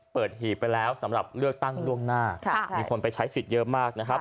หีบไปแล้วสำหรับเลือกตั้งล่วงหน้ามีคนไปใช้สิทธิ์เยอะมากนะครับ